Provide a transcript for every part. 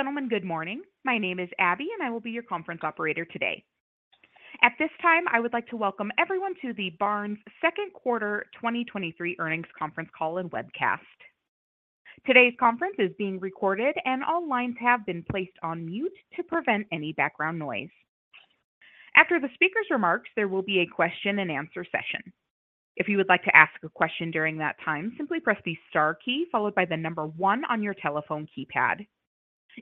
Ladies and gentlemen, good morning. My name is Abby, and I will be your conference operator today. At this time, I would like to welcome everyone to the Barnes second quarter earnings conference call and webcast. Today's conference is being recorded, and all lines have been placed on mute to prevent any background noise. After the speaker's remarks, there will be a question-and-answer session. If you would like to ask a question during that time, simply press the star key followed by the number one on your telephone keypad.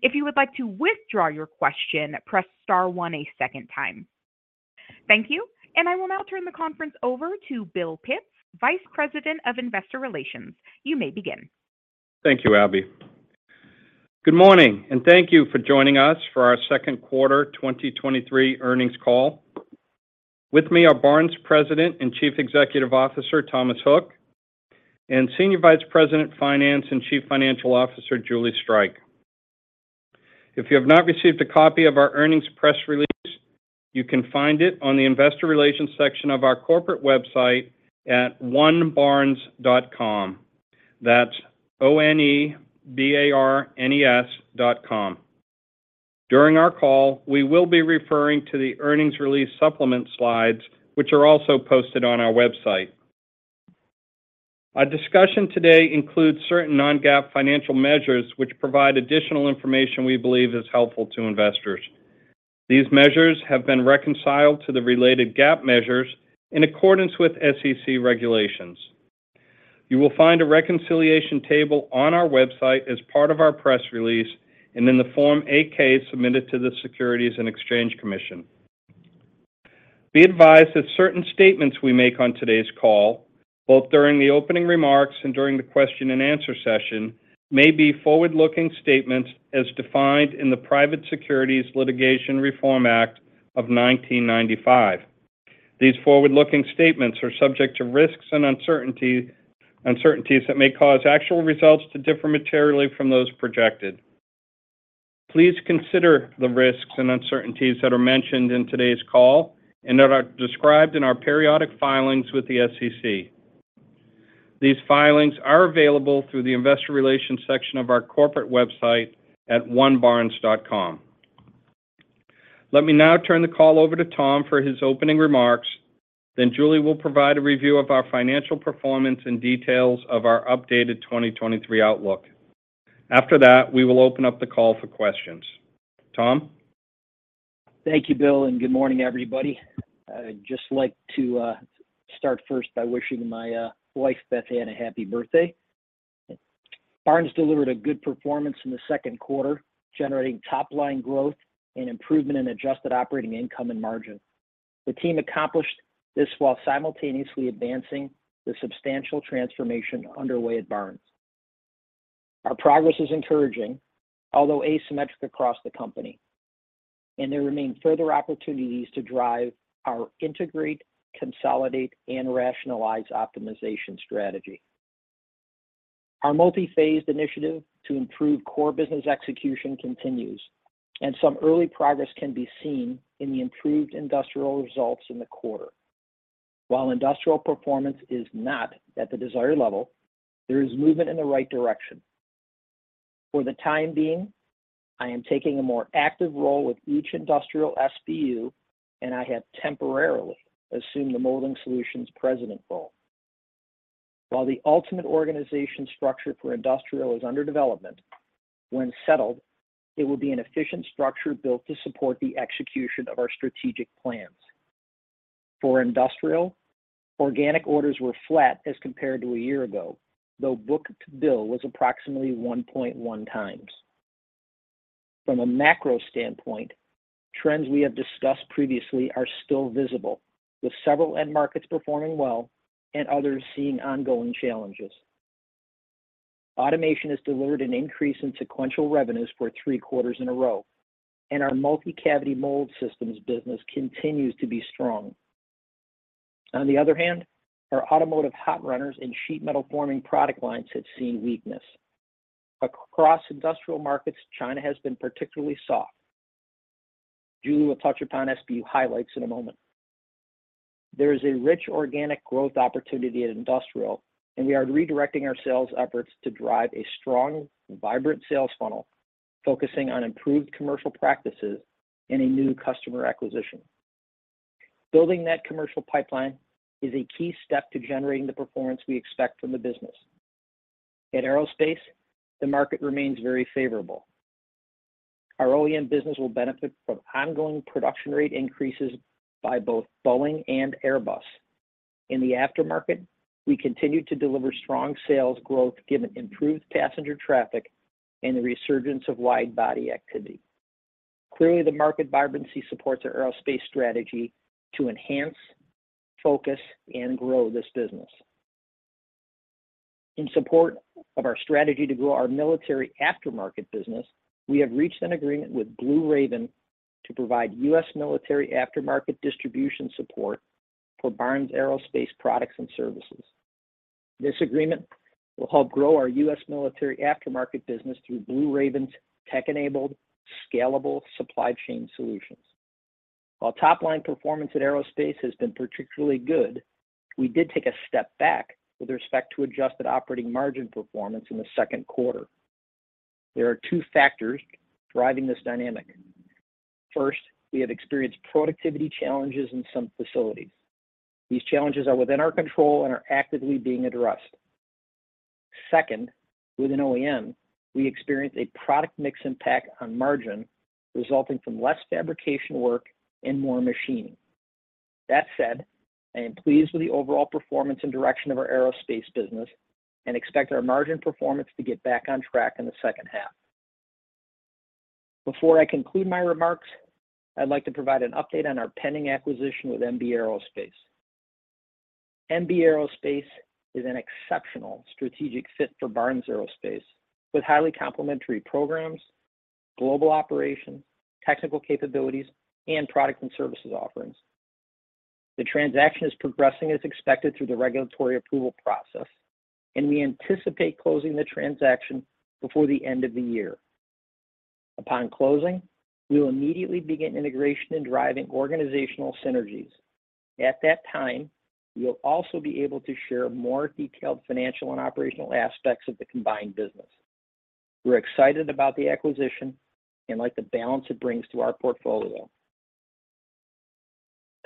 If you would like to withdraw your question, press star one a second time. Thank you, and I will now turn the conference over to Bill Pitts, Vice President of Investor Relations. You may begin. Thank you, Abby. Good morning, and thank you for joining us for our second quarter earnings call. With me are Barnes President and Chief Executive Officer, Thomas Hook, and Senior Vice President, Finance and Chief Financial Officer, Julie Streich. If you have not received a copy of our earnings press release, you can find it on the investor relations section of our corporate website at onebarnes.com. That's O-N-E-B-A-R-N-E-S dot com. During our call, we will be referring to the earnings release supplement slides, which are also posted on our website. Our discussion today includes certain non-GAAP financial measures, which provide additional information we believe is helpful to investors. These measures have been reconciled to the related GAAP measures in accordance with SEC regulations. You will find a reconciliation table on our website as part of our press release and in the Form 8-K submitted to the Securities and Exchange Commission. Be advised that certain statements we make on today's call, both during the opening remarks and during the question and answer session, may be forward-looking statements as defined in the Private Securities Litigation Reform Act of 1999. These forward-looking statements are subject to risks and uncertainty, uncertainties that may cause actual results to differ materially from those projected. Please consider the risks and uncertainties that are mentioned in today's call and that are described in our periodic filings with the SEC. These filings are available through the investor relations section of our corporate website at onebarnes.com. Let me now turn the call over to Thom for his opening remarks. Julie will provide a review of our financial performance and details of our updated 2023 outlook. After that, we will open up the call for questions. Thom? Thank you, Bill, and good morning, everybody. I'd just like to start first by wishing my wife, Bethanne, a happy birthday. Barnes delivered a good performance in the second quarter, generating top-line growth and improvement in adjusted operating income and margin. The team accomplished this while simultaneously advancing the substantial transformation underway at Barnes. Our progress is encouraging, although asymmetric across the company, and there remain further opportunities to drive our integrate, consolidate, and rationalize optimization strategy. Our multi-phased initiative to improve core business execution continues, and some early progress can be seen in the improved industrial results in the quarter. While industrial performance is not at the desired level, there is movement in the right direction. For the time being, I am taking a more active role with each industrial SBU, and I have temporarily assumed the Molding Solutions President role. While the ultimate organization structure for Industrial is under development, when settled, it will be an efficient structure built to support the execution of our strategic plans. For Industrial, organic orders were flat as compared to a year ago, though book-to-bill was approximately 1.1x. From a macro standpoint, trends we have discussed previously are still visible, with several end markets performing well and others seeing ongoing challenges. Automation has delivered an increase in sequential revenues for three quarters in a row, and our multi-cavity mold systems business continues to be strong. On the other hand, our automotive hot runners and sheet metal forming product lines had seen weakness. Across Industrial markets, China has been particularly soft. Julie will touch upon SBU highlights in a moment. There is a rich organic growth opportunity at Industrial. We are redirecting our sales efforts to drive a strong, vibrant sales funnel, focusing on improved commercial practices and a new customers acquisition. Building that commercial pipeline is a key step to generating the performance we expect from the business. At Barnes Aerospace, the market remains very favorable. Our OEM business will benefit from ongoing production rate increases by both Boeing and Airbus. In the aftermarket, we continue to deliver strong sales growth, given improved passenger traffic and the resurgence of wide-body activity. Clearly, the market vibrancy supports our Barnes Aerospace strategy to enhance, focus, and grow this business. In support of our strategy to grow our military aftermarket business, we have reached an agreement with Blue Raven to provide U.S. military aftermarket distribution support for Barnes Aerospace products and services. This agreement will help grow our U.S. military aftermarket business through Blue Raven's tech-enabled, scalable supply chain solutions. While top-line performance at Aerospace has been particularly good, we did take a step back with respect to adjusted operating margin performance in the second quarter. There are two factors driving this dynamic: First, we have experienced productivity challenges in some facilities. These challenges are within our control and are actively being addressed. Second, with an OEM, we experienced a product mix impact on margin, resulting from less fabrication work and more machining. That said, I am pleased with the overall performance and direction of our aerospace business and expect our margin performance to get back on track in the second half. Before I conclude my remarks, I'd like to provide an update on our pending acquisition with MB Aerospace. MB Aerospace is an exceptional strategic fit for Barnes Aerospace, with highly complementary programs, global operations, technical capabilities, and product and services offerings. The transaction is progressing as expected through the regulatory approval process, and we anticipate closing the transaction before the end of the year. Upon closing, we will immediately begin integration and driving organizational synergies. At that time, we will also be able to share more detailed financial and operational aspects of the combined business. We're excited about the acquisition and like the balance it brings to our portfolio.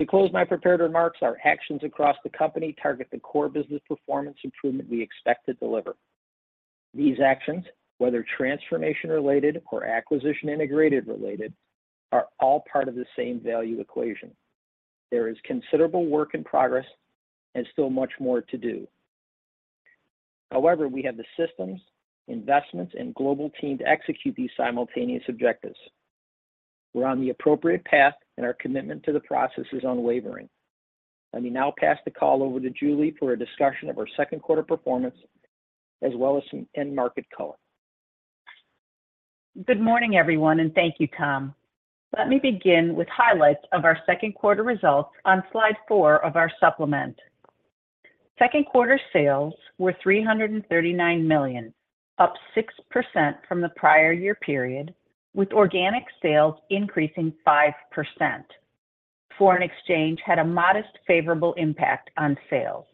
To close my prepared remarks, our actions across the company target the core business performance improvement we expect to deliver. These actions, whether transformation-related or acquisition integration-related, are all part of the same value equation. There is considerable work in progress and still much more to do. We have the systems, investments, and global team to execute these simultaneous objectives. We're on the appropriate path, and our commitment to the process is unwavering. Let me now pass the call over to Julie for a discussion of our second quarter performance, as well as some end market color. Good morning, everyone, and thank you, Thom. Let me begin with highlights of our second quarter results on slide 4 of our supplement. second quarter sales were $339 million, up 6% from the prior year period, with organic sales increasing 5%. Foreign exchange had a modest, favorable impact on sales.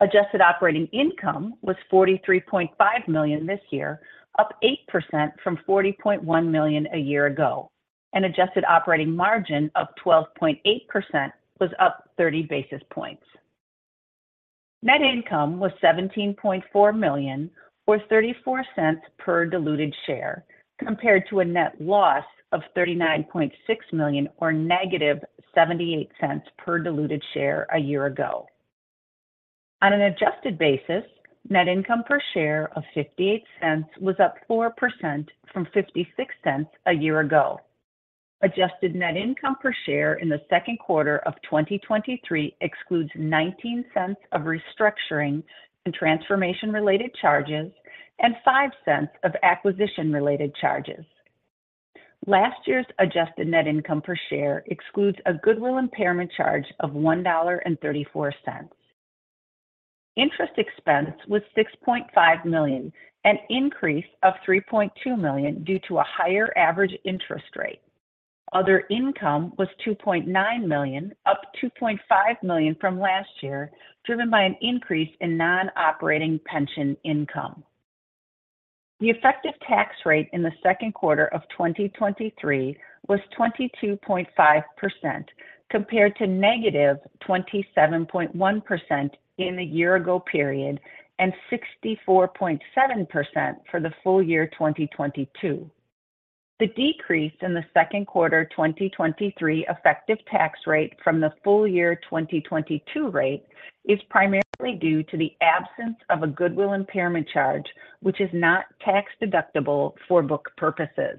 Adjusted operating income was $43.5 million this year, up 8% from $40.1 million a year ago, and adjusted operating margin of 12.8% was up 30 basis points. Net income was $17.4 million, or $0.34 per diluted share, compared to a net loss of $39.6 million, or -$0.78 per diluted share a year ago. On an adjusted basis, net income per share of $0.58 was up 4% from $0.56 a year ago. Adjusted net income per share in the second quarter of 2023 excludes $0.19 of restructuring and transformation-related charges and $0.05 of acquisition-related charges. Last year's adjusted net income per share excludes a goodwill impairment charge of $1.34. Interest expense was $6.5 million, an increase of $3.2 million due to a higher average interest rate. Other income was $2.9 million, up $2.5 million from last year, driven by an increase in non-operating pension income. The effective tax rate in the second quarter of 2023 was 22.5%, compared to -27.1% in the year-ago period and 64.7% for the full year 2022. The decrease in the second quarter 2023 effective tax rate from the full year 2022 rate is primarily due to the absence of a goodwill impairment charge, which is not tax-deductible for book purposes.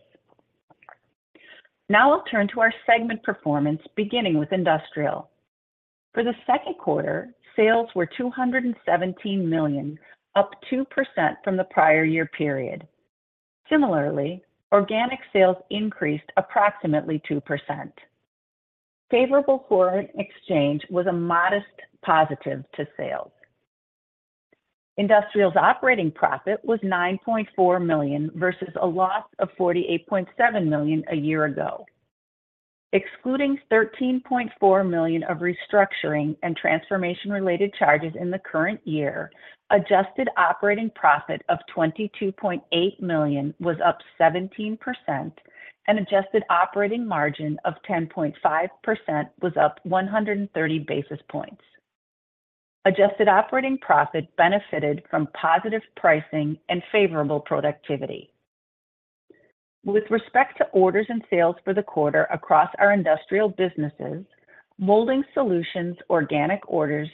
Now I'll turn to our segment performance, beginning with Industrial. For the second quarter, sales were $217 million, up 2% from the prior year period. Similarly, organic sales increased approximately 2%. Favorable foreign exchange was a modest positive to sales. Industrial's operating profit was $9.4 million versus a loss of $48.7 million a year ago. Excluding $13.4 million of restructuring and transformation-related charges in the current year, adjusted operating profit of $22.8 million was up 17%, and adjusted operating margin of 10.5% was up 130 basis points. Adjusted operating profit benefited from positive pricing and favorable productivity. With respect to orders and sales for the quarter across our industrial businesses, Molding Solutions organic orders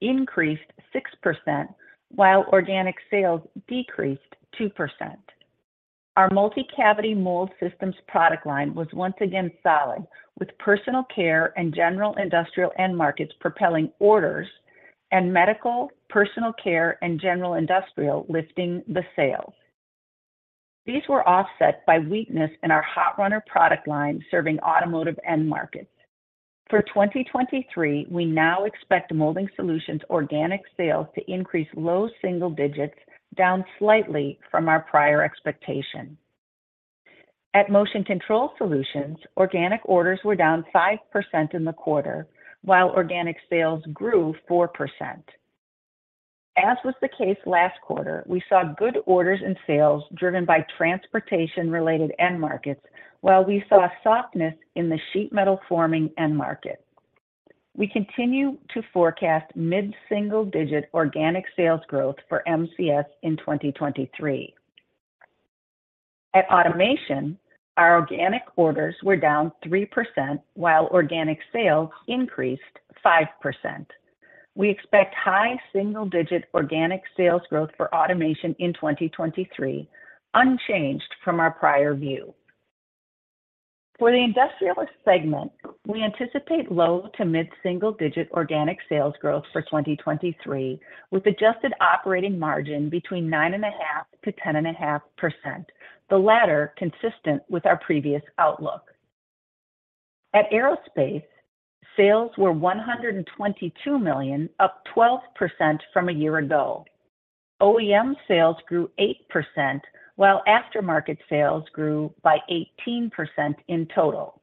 increased 6%, while organic sales decreased 2%. Our Multi-Cavity Mold Systems product line was once again solid, with personal care and general industrial end markets propelling orders and medical, personal care, and general industrial lifting the sales. These were offset by weakness in our hot runner product line, serving automotive end markets. For 2023, we now expect Molding Solutions organic sales to increase low single digits, down slightly from our prior expectation. At Motion Control Solutions, organic orders were down 5% in the quarter, while organic sales grew 4%. As was the case last quarter, we saw good orders and sales driven by transportation-related end markets, while we saw softness in the sheet metal forming end market. We continue to forecast mid-single-digit organic sales growth for MCS in 2023. At automation, our organic orders were down 3%, while organic sales increased 5%. We expect high single-digit organic sales growth for automation in 2023, unchanged from our prior view. For the industrial segment, we anticipate low to mid single-digit organic sales growth for 2023, with adjusted operating margin between 9.5%-10.5%, the latter consistent with our previous outlook. At Aerospace, sales were $122 million, up 12% from a year ago. OEM sales grew 8%, while aftermarket sales grew by 18% in total.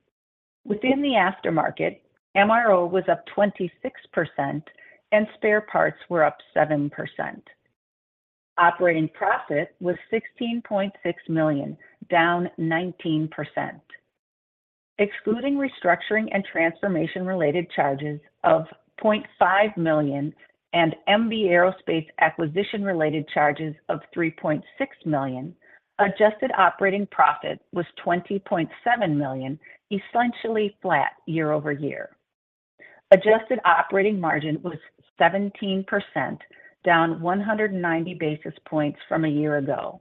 Within the aftermarket, MRO was up 26% and spare parts were up 7%. Operating profit was $16.6 million, down 19%. Excluding restructuring and transformation-related charges of $0.5 million and MB Aerospace acquisition-related charges of $3.6 million, adjusted operating profit was $20.7 million, essentially flat year-over-year. Adjusted operating margin was 17%, down 190 basis points from a year ago.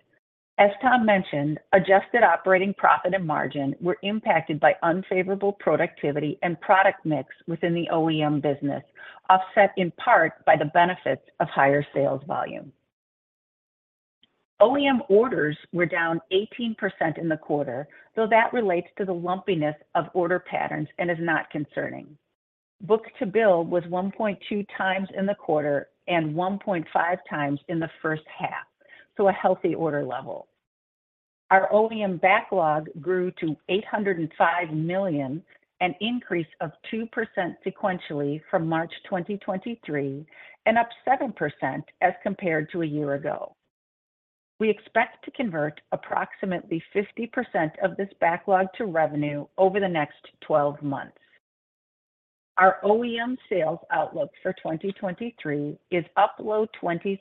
As Thom mentioned, adjusted operating profit and margin were impacted by unfavorable productivity and product mix within the OEM business, offset in part by the benefits of higher sales volume. OEM orders were down 18% in the quarter, though that relates to the lumpiness of order patterns and is not concerning. Book-to-bill was 1.2 times in the quarter and 1.5 times in the first half, so a healthy order level. Our OEM backlog grew to $805 million, an increase of 2% sequentially from March 2023, up 7% as compared to a year ago. We expect to convert approximately 50% of this backlog to revenue over the next 12 months. Our OEM sales outlook for 2023 is up low 20s%,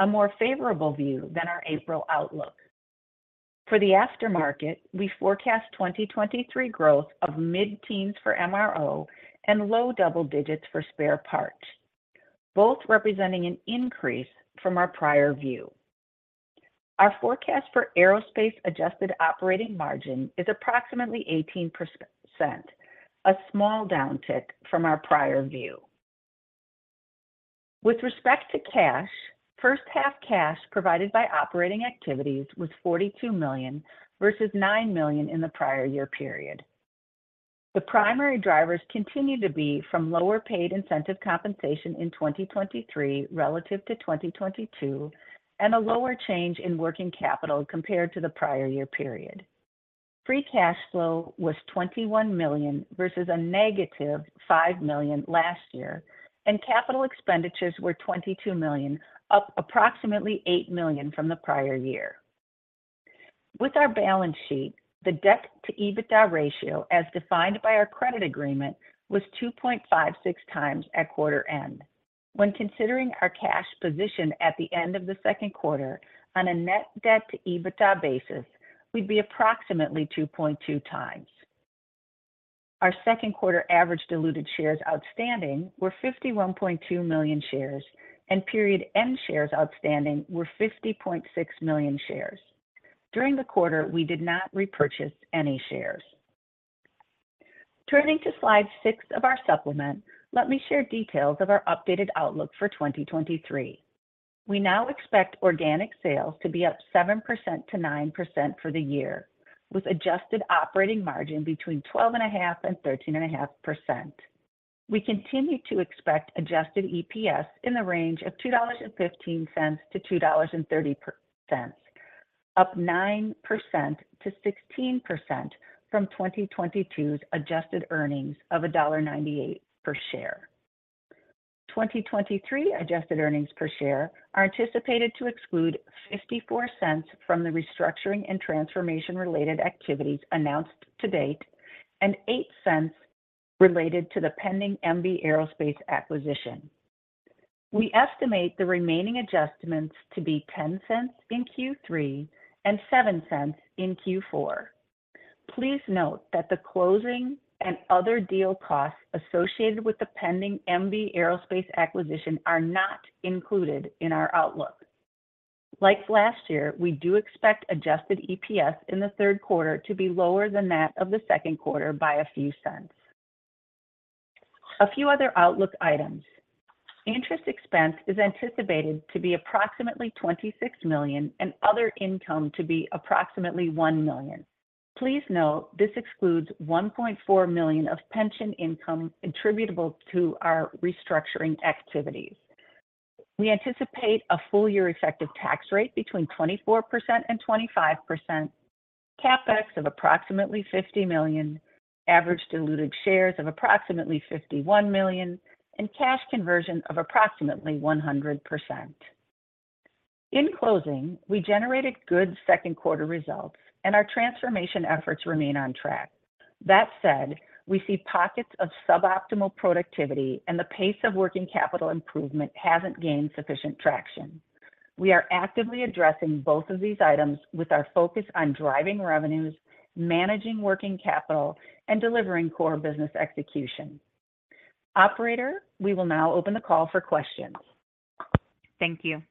a more favorable view than our April outlook. For the aftermarket, we forecast 2023 growth of mid-teens for MRO and low double digits for spare parts, both representing an increase from our prior view. Our forecast for aerospace adjusted operating margin is approximately 18%, a small downtick from our prior view. With respect to cash, first half cash provided by operating activities was $42 million, versus $9 million in the prior year period. The primary drivers continue to be from lower paid incentive compensation in 2023 relative to 2022, and a lower change in working capital compared to the prior year period. Free cash flow was $21 million versus a -$5 million last year, and capital expenditures were $22 million, up approximately $8 million from the prior year. With our balance sheet, the debt to EBITDA ratio, as defined by our credit agreement, was 2.56 times at quarter end. When considering our cash position at the end of the second quarter on a net debt to EBITDA basis, we'd be approximately 2.2 times. Our second quarter average diluted shares outstanding were 51.2 million shares, and period end shares outstanding were 50.6 million shares. During the quarter, we did not repurchase any shares. Turning to slide 6 of our supplement, let me share details of our updated outlook for 2023. We now expect organic sales to be up 7%-9% for the year, with adjusted operating margin between 12.5% and 13.5%. We continue to expect adjusted EPS in the range of $2.15-2.30, up 9%-16% from 2022's adjusted earnings of $1.98 per share. 2023 adjusted earnings per share are anticipated to exclude $0.54 from the restructuring and transformation-related activities announced to date, and $0.08 related to the pending MB Aerospace acquisition. We estimate the remaining adjustments to be $0.10 in Q3 and $0.07 in Q4. Please note that the closing and other deal costs associated with the pending MB Aerospace acquisition are not included in our outlook. Like last year, we do expect adjusted EPS in the third quarter to be lower than that of the second quarter by a few cents. A few other outlook items. Interest expense is anticipated to be approximately $26 million, and other income to be approximately $1 million. Please note this excludes $1.4 million of pension income attributable to our restructuring activities. We anticipate a full year effective tax rate between 24% and 25%, CapEx of approximately $50 million, average diluted shares of approximately 51 million, and cash conversion of approximately 100%. In closing, we generated good second quarter results, and our transformation efforts remain on track. That said, we see pockets of suboptimal productivity, and the pace of working capital improvement hasn't gained sufficient traction. We are actively addressing both of these items with our focus on driving revenues, managing working capital, and delivering core business execution. Operator, we will now open the call for questions. Thank you.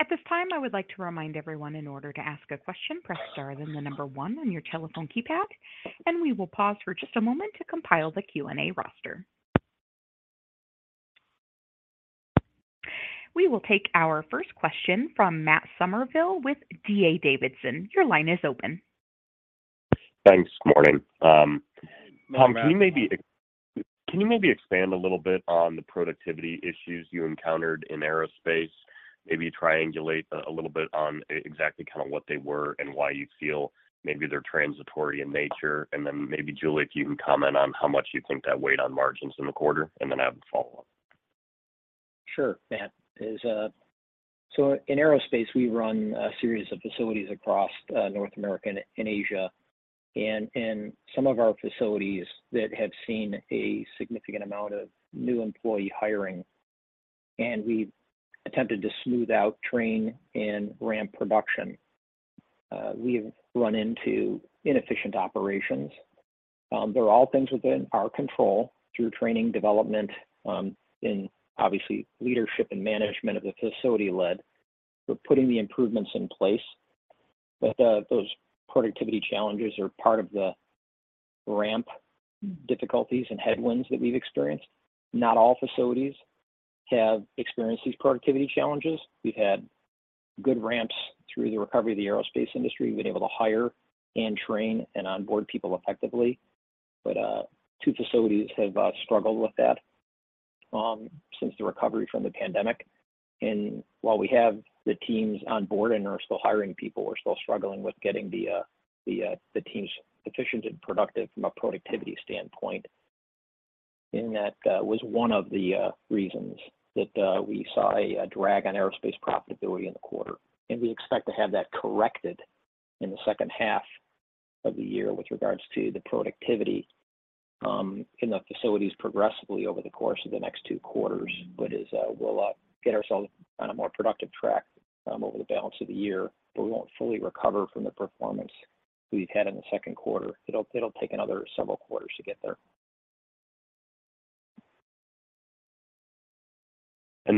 At this time, I would like to remind everyone, in order to ask a question, press star, then the number one on your telephone keypad, and we will pause for just a moment to compile the Q&A roster. We will take our first question from Matt Summerville with DA Davidson. Your line is open. Thanks. Morning. Thom- Hello, Matt.... can you maybe expand a little bit on the productivity issues you encountered in aerospace? Maybe triangulate a little bit on exactly kind of what they were and why you feel maybe they're transitory in nature. Then maybe, Julie, if you can comment on how much you think that weighed on margins in the quarter, and then I have a follow-up. Sure, Matt. In aerospace, we run a series of facilities across North America and Asia, and in some of our facilities that have seen a significant amount of new employee hiring, and we've attempted to smooth out, train, and ramp production, we have run into inefficient operations. They're all things within our control through training, development, and obviously, leadership and management of the facility lead. We're putting the improvements in place, those productivity challenges are part of the ramp difficulties and headwinds that we've experienced. Not all facilities have experienced these productivity challenges. We've had good ramps through the recovery of the aerospace industry. We've been able to hire and train and onboard people effectively, two facilities have struggled with that since the recovery from the pandemic. While we have the teams on board and are still hiring people, we're still struggling with getting the the the teams efficient and productive from a productivity standpoint. That was one of the reasons that we saw a drag on Aerospace profitability in the quarter. We expect to have that corrected in the second half of the year with regards to the productivity in the facilities progressively over the course of the next two quarters. As we'll get ourselves on a more productive track over the balance of the year, but we won't fully recover from the performance we've had in the second quarter. It'll, it'll take another several quarters to get there. As,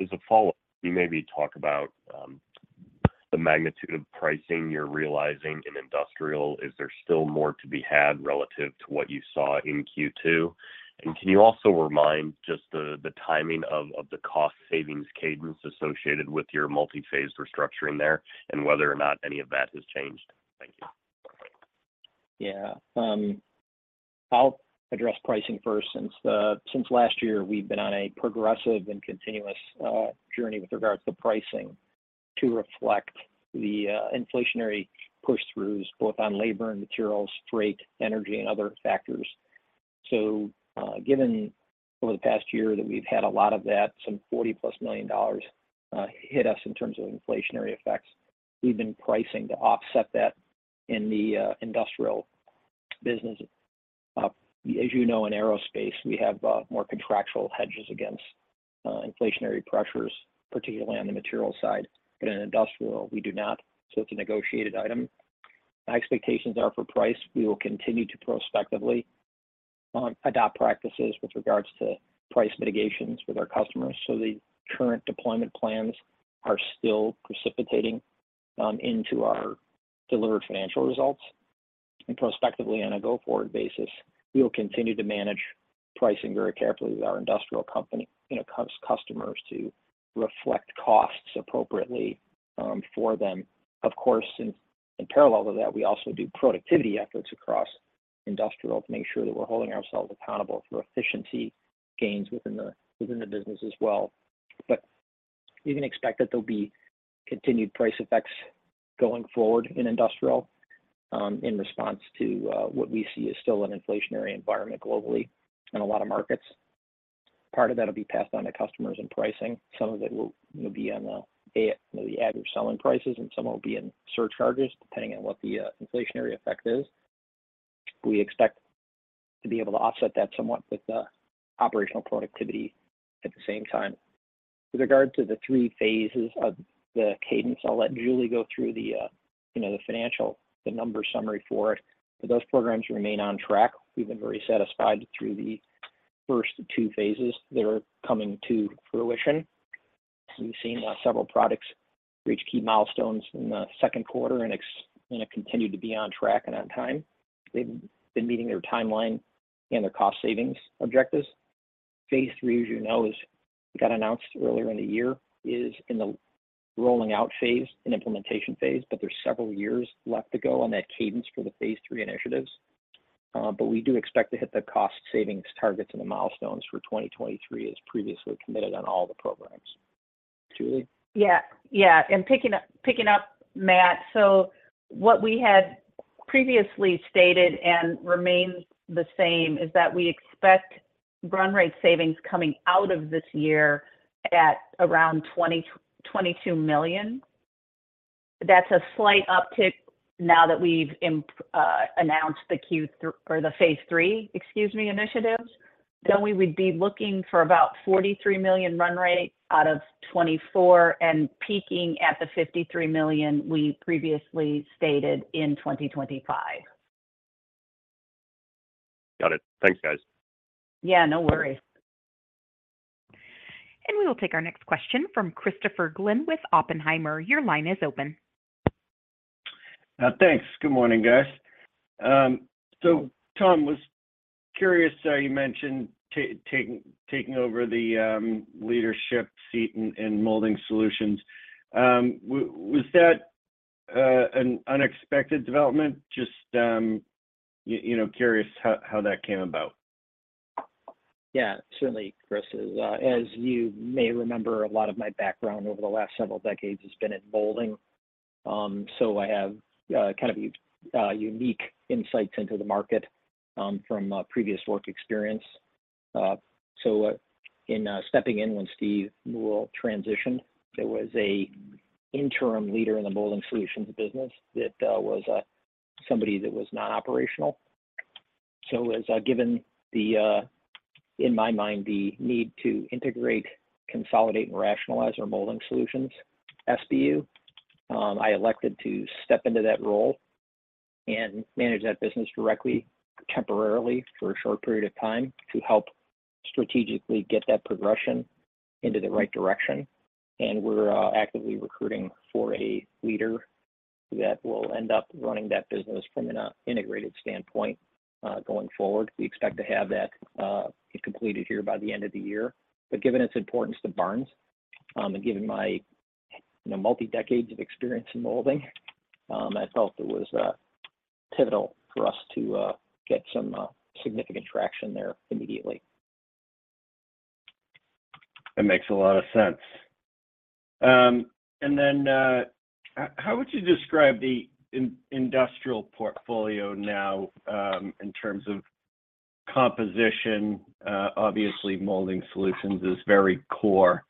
as a follow-up, can you maybe talk about the magnitude of pricing you're realizing in Industrial? Is there still more to be had relative to what you saw in second quarter? Can you also remind just the timing of the cost savings cadence associated with your multi-phased restructuring there, and whether or not any of that has changed? Thank you. Yeah. I'll address pricing first. Since last year, we've been on a progressive and continuous journey with regards to pricing to reflect the inflationary push-throughs, both on labor and materials, freight, energy, and other factors. Given over the past year that we've had a lot of that, some $40+ million hit us in terms of inflationary effects, we've been pricing to offset that in the Industrial business. As you know, in Barnes Aerospace, we have more contractual hedges against inflationary pressures, particularly on the material side, but in Industrial, we do not, so it's a negotiated item. My expectations are for price. We will continue to prospectively adopt practices with regards to price mitigations with our customers, the current deployment plans are still precipitating into our delivered financial results. Prospectively, on a go-forward basis, we will continue to manage pricing very carefully with our Industrial company, you know, customers to reflect costs appropriately for them. Of course, in parallel to that, we also do productivity efforts across Industrial to make sure that we're holding ourselves accountable for efficiency gains within the business as well. You can expect that there'll be continued price effects going forward in Industrial in response to what we see as still an inflationary environment globally in a lot of markets. Part of that will be passed on to customers in pricing. Some of it will, you know, be on the average selling prices, and some will be in surcharges, depending on what the inflationary effect is. We expect to be able to offset that somewhat with the operational productivity at the same time. With regard to the three phases of the cadence, I'll let Julie go through the, you know, the financial, the number summary for it, but those programs remain on track. We've been very satisfied through the first two phases that are coming to fruition. We've seen, several products reach key milestones in the 2Q, and it's, and it continued to be on track and on time. They've been meeting their timeline and their cost savings objectives. Phase III, as you know, is got announced earlier in the year, is in the rolling out phase and implementation phase, but there's several years left to go on that cadence for the Phase III initiatives. We do expect to hit the cost savings targets and the milestones for 2023, as previously committed on all the programs. Julie? Yeah. Yeah, picking up, picking up, Matt, so what we had previously stated, and remains the same, is that we expect run rate savings coming out of this year at around $22 million. That's a slight uptick now that we've announced the Q3, or the Phase III, excuse me, initiatives. We would be looking for about $43 million run rate out of 2024, and peaking at the $53 million we previously stated in 2025. Got it. Thanks, guys. Yeah, no worries. We will take our next question from Christopher Glynn with Oppenheimer. Your line is open. Thanks. Good morning, guys. Thom, was curious, you mentioned taking, taking over the leadership seat in Molding Solutions. Was that an unexpected development? Just, you know, curious how, how that came about. Chris. As you may remember, a lot of my background over the last several decades has been in molding. So I have kind of a unique insights into the market from previous work experience. So in stepping in when Steve Newell transitioned, there was an interim leader in the Molding Solutions business that was somebody that was not operational. As given the in my mind, the need to integrate, consolidate, and rationalize our Molding Solutions SBU, I elected to step into that role and manage that business directly, temporarily, for a short period of time, to help strategically get that progression into the right direction. And we're actively recruiting for a leader that will end up running that business from an integrated standpoint going forward. We expect to have that completed here by the end of the year. Given its importance to Barnes, and given my, you know, multi-decades of experience in molding, I felt it was pivotal for us to get some significant traction there immediately. That makes a lot of sense. Then, how would you describe the industrial portfolio now, in terms of composition? Obviously, Molding Solutions is very core.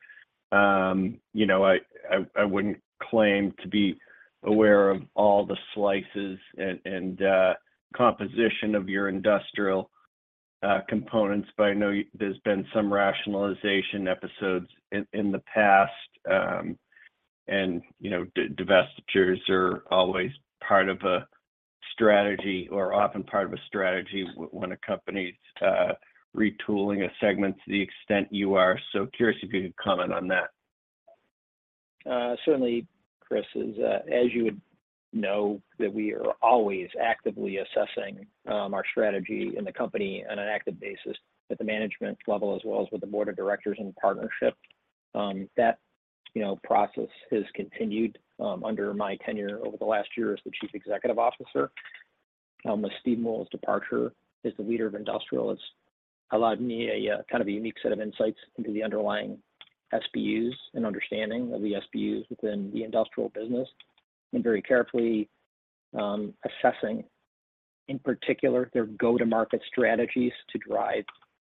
You know I wouldn't claim to be aware of all the slices and, and composition of your industrial components, but I know there's been some rationalization episodes in, in the past. You know, divestitures are always part of a strategy, or often part of a strategy when a company's retooling a segment to the extent you are. Curious if you could comment on that. Certainly, Chris, as you would know, that we are always actively assessing our strategy in the company on an active basis at the management level, as well as with the board of directors and partnership. That, you know, process has continued under my tenure over the last year as the Chief Executive Officer. With Steve Newell's departure as the leader of Industrial has allowed me a kind of a unique set of insights into the underlying SBUs and understanding of the SBUs within the Industrial business. Very carefully assessing, in particular, their go-to-market strategies to drive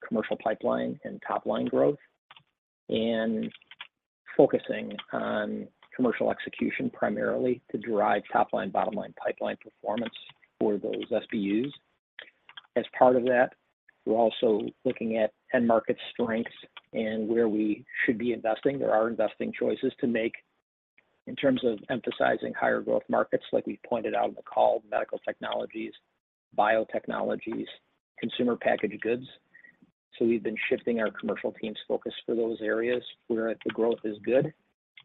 commercial pipeline and top-line growth, and focusing on commercial execution, primarily to drive top-line, bottom line pipeline performance for those SBUs. As part of that, we're also looking at end market strengths and where we should be investing. There are investing choices to make in terms of emphasizing higher growth markets, like we pointed out on the call, medical technologies, biotechnologies, consumer packaged goods. We've been shifting our commercial team's focus for those areas where the growth is good.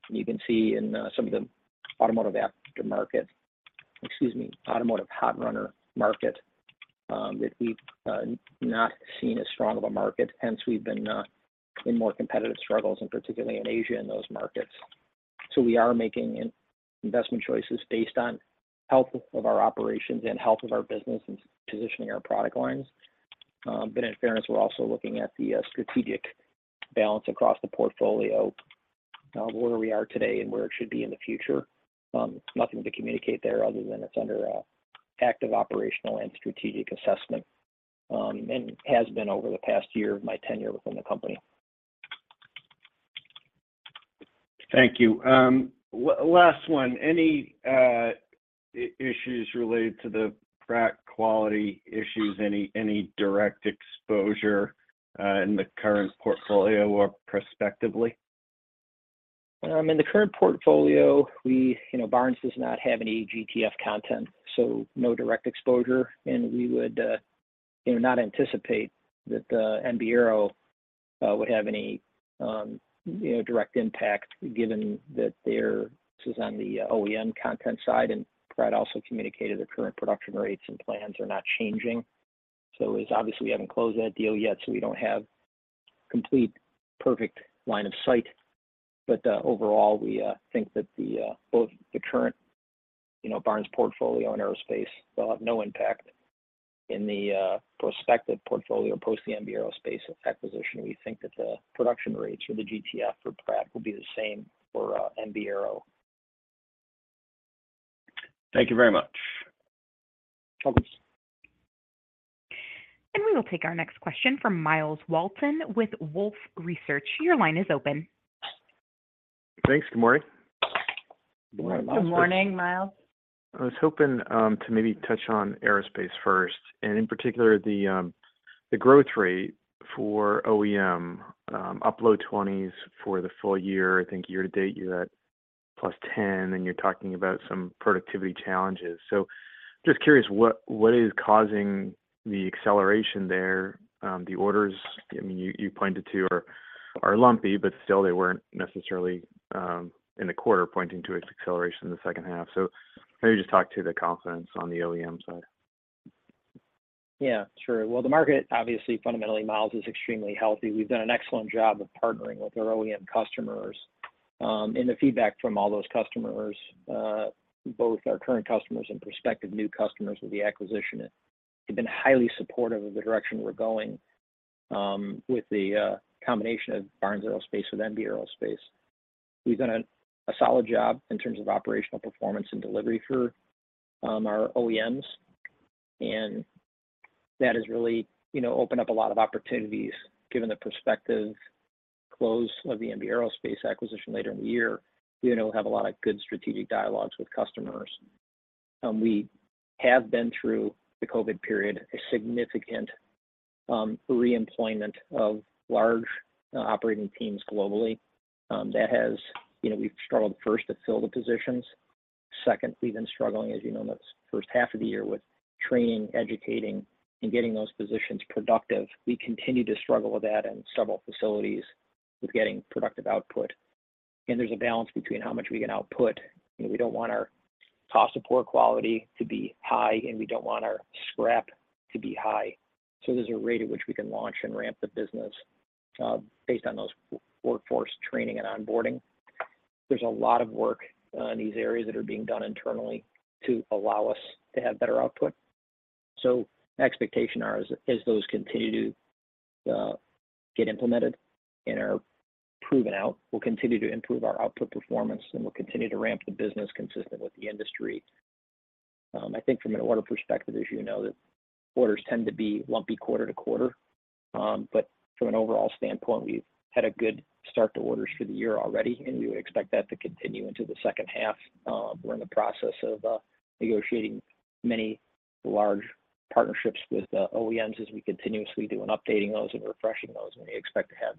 You can see in some of the automotive after market, excuse me, automotive hot runner market, that we've not seen as strong of a market. Hence, we've been in more competitive struggles, and particularly in Asia, in those markets. We are making investment choices based on health of our operations and health of our business and positioning our product lines. In fairness, we're also looking at the strategic balance across the portfolio, where we are today and where it should be in the future. Nothing to communicate there, other than it's under active, operational, and strategic assessment, and has been over the past year of my tenure within the company. Thank you. Last one. Any issues related to the frac quality issues? Any, any direct exposure in the current portfolio or prospectively? In the current portfolio, we, you know, Barnes does not have any GTF content, so no direct exposure. We would, you know, not anticipate that the MB Aerospace would have any, you know, direct impact, given that their focus is on the OEM content side. Pratt also communicated their current production rates and plans are not changing. It's obvious we haven't closed that deal yet, so we don't have complete, perfect line of sight. Overall, we think that both the current, you know, Barnes portfolio and aerospace will have no impact in the prospective portfolio post the MB Aerospace acquisition. We think that the production rates for the GTF for Pratt will be the same for MB Aero. Thank you very much. No problems. We will take our next question from Myles Walton with Wolfe Research. Your line is open. Thanks. Good morning. Good morning, Myles. Good morning, Myles. I was hoping to maybe touch on aerospace first, and in particular, the growth rate for OEM upload 20s for the full year. I think year to date, you're at +10%, and you're talking about some productivity challenges. Just curious, what, what is causing the acceleration there? The orders, I mean you pointed to are, are lumpy, but still they weren't necessarily in the quarter pointing to its acceleration in the second half. Maybe just talk to the confidence on the OEM side. Yeah, sure. Well, the market, obviously, fundamentally, Myles, is extremely healthy. We've done an excellent job of partnering with our OEM customers. The feedback from all those customers, both our current customers and prospective new customers with the acquisition, they've been highly supportive of the direction we're going, with the combination of Barnes Aerospace with MB Aerospace. We've done a solid job in terms of operational performance and delivery for our OEMs, and that has really, you know, opened up a lot of opportunities, given the prospective close of the MB Aerospace acquisition later in the year. We know we have a lot of good strategic dialogues with customers. We have been through the COVID period, a significant re-employment of large operating teams globally. That has, you know, we've struggled first to fill the positions. Second, we've been struggling, as you know, in the first half of the year with training, educating, and getting those positions productive. We continue to struggle with that in several facilities with getting productive output, and there's a balance between how much we can output, and we don't want our cost of poor quality to be high, and we don't want our scrap to be high. There's a rate at which we can launch and ramp the business, based on those workforce training and onboarding. There's a lot of work on these areas that are being done internally to allow us to have better output. Expectations are as those continue to get implemented and are proven out, we'll continue to improve our output performance, and we'll continue to ramp the business consistent with the industry. I think from an order perspective, as you know, that orders tend to be lumpy quarter to quarter. From an overall standpoint, we've had a good start to orders for the year already, and we would expect that to continue into the second half. We're in the process of negotiating many large partnerships with the OEMs as we continuously do, and updating those and refreshing those, and we expect to have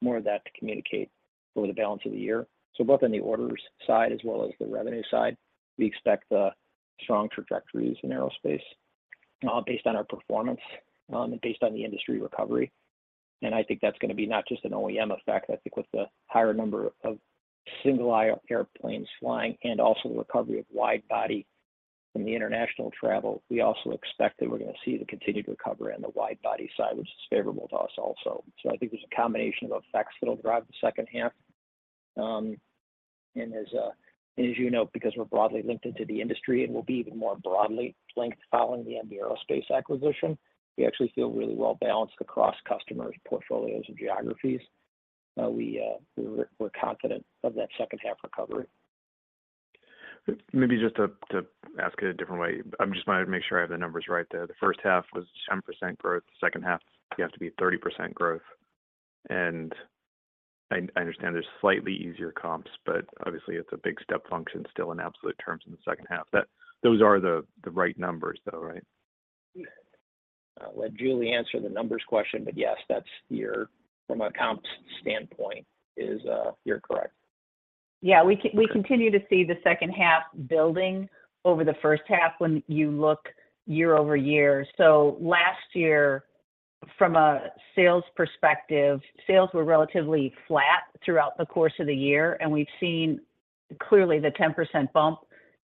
more of that to communicate over the balance of the year. Both on the orders side as well as the revenue side, we expect strong trajectories in aerospace, based on our performance, and based on the industry recovery. I think that's gonna be not just an OEM effect. I think with the higher number of single aisle airplanes flying and also the recovery of wide-body in the international travel, we also expect that we're gonna see the continued recovery on the wide-body side, which is favorable to us also. I think there's a combination of effects that'll drive the second half. And as, and as you know, because we're broadly linked into the industry and we'll be even more broadly linked following the MB Aerospace acquisition, we actually feel really well-balanced across customers, portfolios, and geographies. We we're confident of that second half recovery. Maybe just to ask it a different way. I'm just wanting to make sure I have the numbers right. The first half was 10% growth, the second half, you have to be at 30% growth. I understand there's slightly easier comps, but obviously, it's a big step function still in absolute terms in the second half. Those are the right numbers, though, right? I'll let Julie answer the numbers question, but yes, that's your. From a comps standpoint, is, you're correct. Yeah, we continue to see the second half building over the first half when you look year-over-year. Last year, from a sales perspective, sales were relatively flat throughout the course of the year, we've seen clearly the 10% bump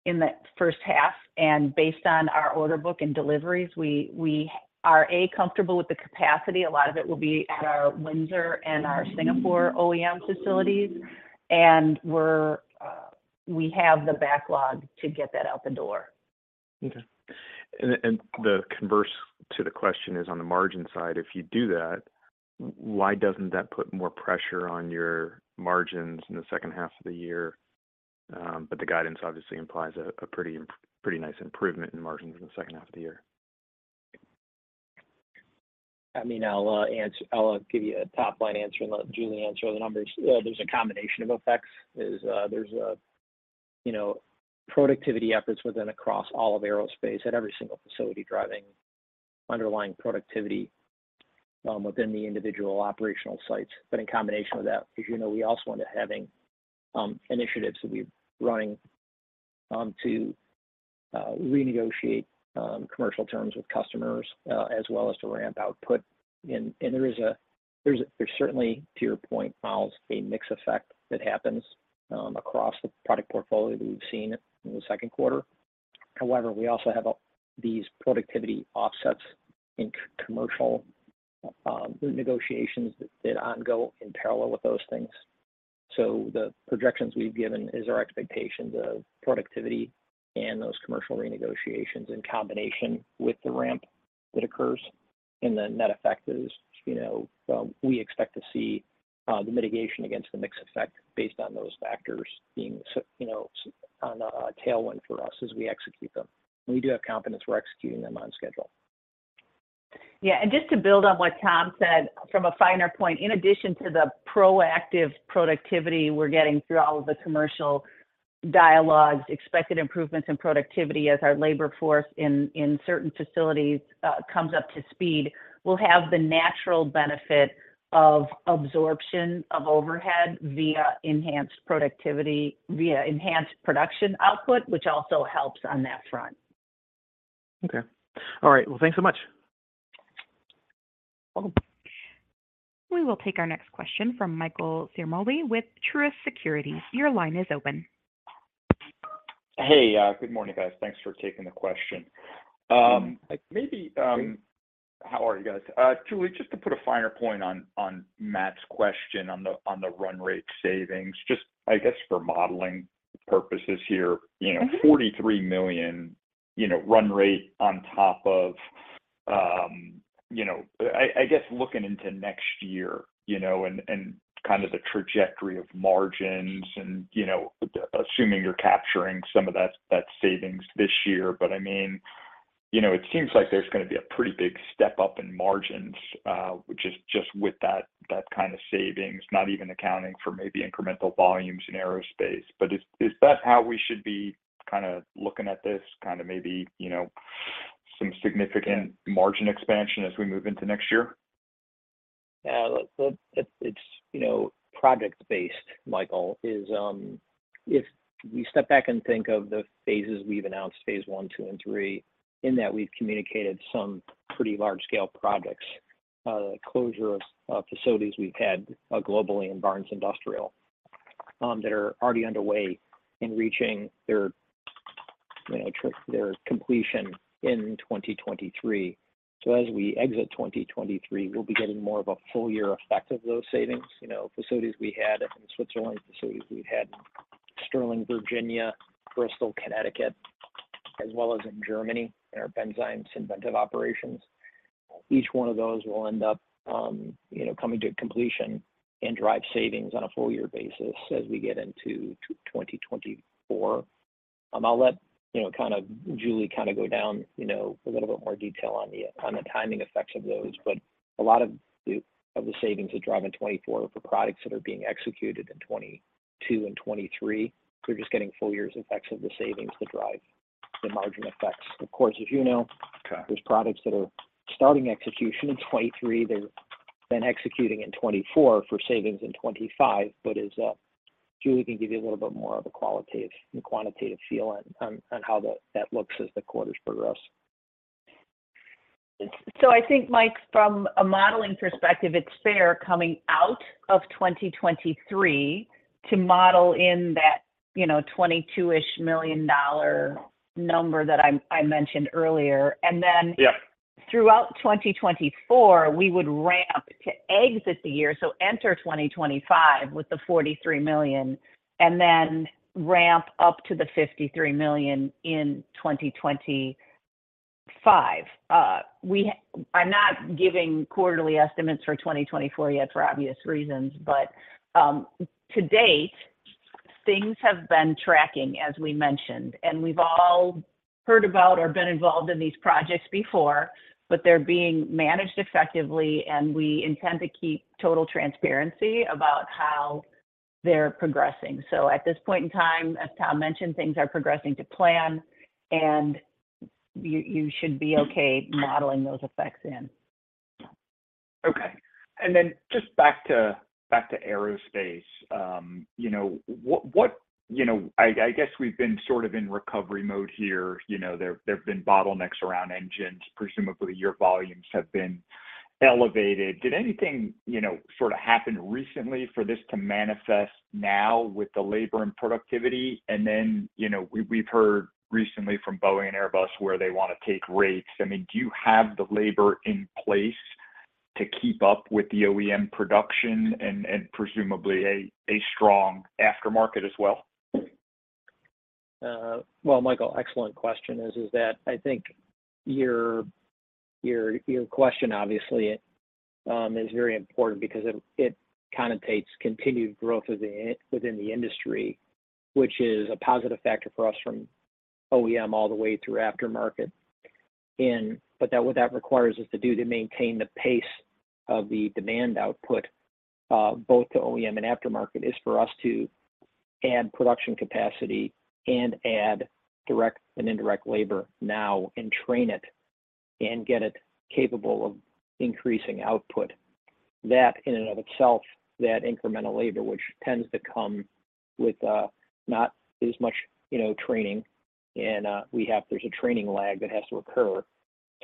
in the first half, based on our order book and deliveries, we are, A, comfortable with the capacity. A lot of it will be at our Windsor and our Singapore OEM facilities, we're, we have the backlog to get that out the door. Okay. The converse to the question is, on the margin side, if you do that, why doesn't that put more pressure on your margins in the second half of the year? The guidance obviously implies a, a pretty, pretty nice improvement in margins in the second half of the year. I mean, I'll answer, I'll give you a top-line answer and let Julie answer the numbers. There's a combination of effects. There's, you know, productivity efforts within across all of aerospace at every single facility driving underlying productivity within the individual operational sites. In combination with that, as you know, we also into having initiatives that we're running to renegotiate commercial terms with customers as well as to ramp output. There's, there's certainly, to your point, Myles, a mix effect that happens across the product portfolio that we've seen in the second quarter. However, we also have these productivity offsets in commercial negotiations that ongoing in parallel with those things. The projections we've given is our expectations of productivity and those commercial renegotiations in combination with the ramp that occurs. The net effect is, you know, we expect to see the mitigation against the mix effect based on those factors being you know, on a tailwind for us as we execute them. We do have confidence we're executing them on schedule. Yeah, just to build on what Thom said from a finer point, in addition to the proactive productivity we're getting through all of the commercial dialogues, expected improvements in productivity as our labor force in certain facilities, comes up to speed, we'll have the natural benefit of absorption of overhead via enhanced productivity, via enhanced production output, which also helps on that front. Okay. All right. Well, thanks so much. We will take our next question from Michael Ciarmoli with Truist Securities. Your line is open. Hey, good morning, guys. Thanks for taking the question. Maybe... How are you guys? Julie, just to put a finer point on Matt's question on the run rate savings, just I guess for modeling purposes here. Mm-hmm.... you know, $43 million, you know, run rate on top of, you know, I guess looking into next year, you know, and, and kind of the trajectory of margins and, you know, assuming you're capturing some of that savings this year. I mean, you know, it seems like there's gonna be a pretty big step up in margins, just, just with that kind of savings, not even accounting for maybe incremental volumes in aerospace. Is, is that how we should be kind of looking at this, kind of maybe, you know, some significant- Yeah... margin expansion as we move into next year? Yeah, look, it's, it's, you know, project based, Michael, is, if we step back and think of the phases we've announced, phase I, II, and III, in that we've communicated some pretty large scale projects. The closure of facilities we've had globally in Barnes Industrial that are already underway in reaching their, you know, their completion in 2023. As we exit 2023, we'll be getting more of a full year effect of those savings. You know, facilities we had in Switzerland, facilities we've had in Sterling, Virginia, Bristol, Connecticut, as well as in Germany, in our Barnes Synventive operations. Each one of those will end up, you know, coming to completion and drive savings on a full year basis as we get into 2024. I'll let, you know, kind of Julie kind of go down, you know, a little bit more detail on the, on the timing effects of those. A lot of the, of the savings that drive in 2024 are for products that are being executed in 2022 and 2023. We're just getting full years effects of the savings to drive the margin effects. Of course, as you know. Got it.... there's products that are starting execution in 2023. They're then executing in 2024 for savings in 2025. As, Julie can give you a little bit more of a qualitative and quantitative feel on how the, that looks as the quarters progress. I think, Mike, from a modeling perspective, it's fair coming out of 2023 to model in that, you know, $22 million-ish number that I mentioned earlier. Yeah... throughout 2024, we would ramp to exit the year. Enter 2025 with the $43 million, and then ramp up to the $53 million in 2025. I'm not giving quarterly estimates for 2024 yet, for obvious reasons, but to date, things have been tracking, as we mentioned, and we've all heard about or been involved in these projects before, but they're being managed effectively, and we intend to keep total transparency about how they're progressing. At this point in time, as Thom mentioned, things are progressing to plan, and you, you should be okay modeling those effects in. Okay. Then just back to, back to aerospace, you know, what, You know, I guess we've been sort of in recovery mode here. You know, there have been bottlenecks around engines. Presumably, your volumes have been elevated. Did anything, you know, sort of happen recently for this to manifest now with the labor and productivity? Then, you know, we've heard recently from Boeing and Airbus where they want to take rates. I mean, do you have the labor in place to keep up with the OEM production and, and presumably a, a strong aftermarket as well? Well, Michael, excellent question is, is that I think your, your, your question obviously, is very important because it, it connotates continued growth within, within the industry, which is a positive factor for us from OEM all the way through aftermarket. But what that requires us to do to maintain the pace of the demand output, both to OEM and aftermarket, is for us to add production capacity and add direct and indirect labor now and train it and get it capable of increasing output. That in and of itself, that incremental labor, which tends to come with, not as much, you know, training, and we have, there's a training lag that has to occur.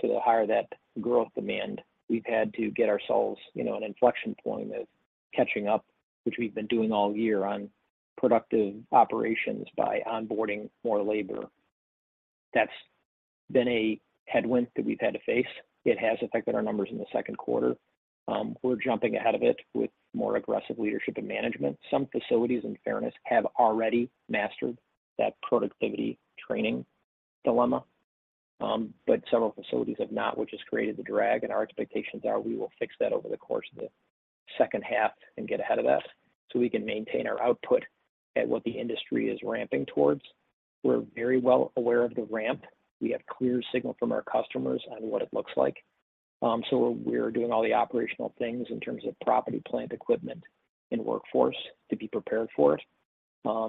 To the higher that growth demand, we've had to get ourselves, you know, an inflection point of catching up, which we've been doing all year on productive operations by onboarding more labor. That's been a headwind that we've had to face. It has affected our numbers in the second quarter. We're jumping ahead of it with more aggressive leadership and management. Some facilities, in fairness, have already mastered that productivity training dilemma, but several facilities have not, which has created the drag, and our expectations are we will fix that over the course of the second half and get ahead of that, so we can maintain our output at what the industry is ramping towards. We're very well aware of the ramp. We have clear signal from our customers on what it looks like. We're doing all the operational things in terms of property, plant, equipment, and workforce to be prepared for it.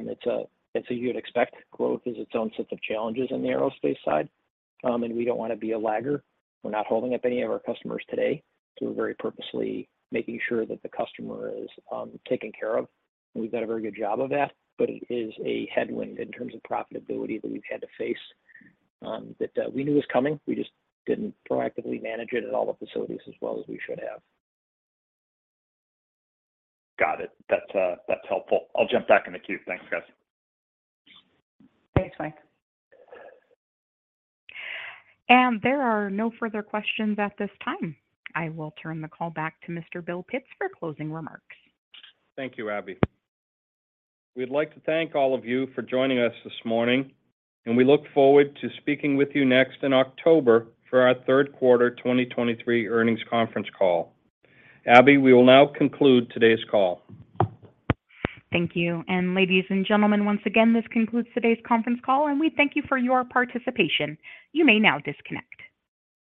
It's a, as you would expect, growth is its own set of challenges in the aerospace side, and we don't want to be a lagger. We're not holding up any of our customers today, so we're very purposely making sure that the customer is taken care of. We've done a very good job of that, but it is a headwind in terms of profitability that we've had to face, that we knew was coming. We just didn't proactively manage it at all the facilities as well as we should have. Got it. That's, that's helpful. I'll jump back in the queue. Thanks, guys. Thanks, Mike. There are no further questions at this time. I will turn the call back to Mr. Bill Pitts for closing remarks. Thank you, Abby. We'd like to thank all of you for joining us this morning, and we look forward to speaking with you next in October for our third quarter 2023 earnings conference call. Abby, we will now conclude today's call. Thank you. ladies and gentlemen, once again, this concludes today's conference call, and we thank you for your participation. You may now disconnect.